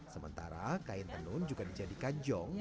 sementara kain tenun juga dijadikan jong